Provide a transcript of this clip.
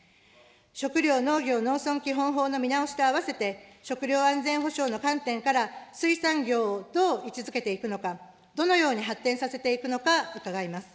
食料・農業・農村基本法の見直しと併せて、食料安全保障の観点から、水産業をどう位置づけていくのか、どのように発展させていくのか伺います。